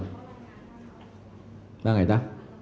มันทำยังไงนะ